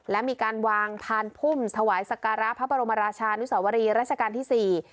และมีการวางทานพุ่มถวายศักราชน์พระบรมราชานุศวรีรัชการที่๔